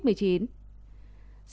sự xuất hiện của adeno trong ổ chứa virus